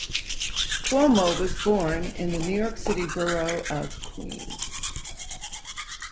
Cuomo was born in the New York City borough of Queens.